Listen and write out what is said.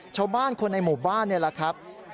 ชาวบ้านคนในหมู่บ้านนี่แหละครับ